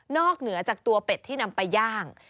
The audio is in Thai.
เหนือจากตัวเป็ดที่นำไปย่าง